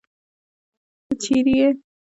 تۀ چېرې ئې ؟